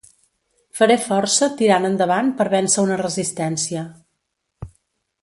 Faré força tirant endavant per vèncer una resistència.